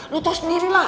lo tau sendiri lah